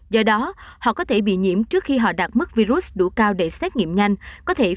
do đó họ có thể bị nhiễm trước khi họ đạt mức virus đủ cao để xét nghiệm nhanh